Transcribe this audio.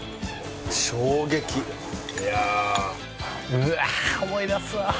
うわあ思い出すわ。